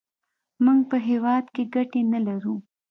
موږ په هېواد کې ګټې نه لرو.